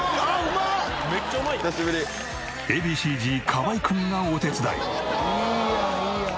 Ａ．Ｂ．Ｃ−Ｚ河合くんがお手伝い。